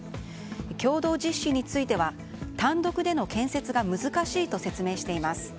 共同実施については単独での建設が難しいと説明しています。